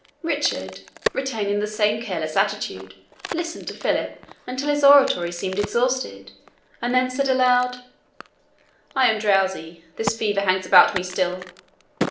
Richard, retaining the same careless attitude, listened to Philip until his oratory seemed exhausted, and then said aloud, "I am drowsy this fever hangs about me still.